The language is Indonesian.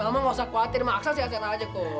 pak mama nggak usah khawatir ma aksan sehat sehat aja kok